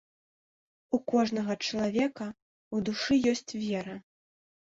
У кожнага чалавека ў душы ёсць вера.